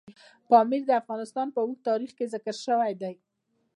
پامیر د افغانستان په اوږده تاریخ کې ذکر شوی دی.